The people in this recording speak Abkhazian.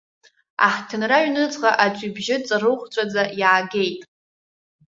Аҳҭынра аҩныҵҟа аӡә ибжьы ҵарыхәҵәаӡа иаагеит.